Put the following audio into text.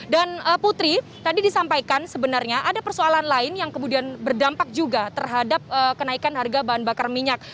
putri tadi disampaikan sebenarnya ada persoalan lain yang kemudian berdampak juga terhadap kenaikan harga bahan bakar minyak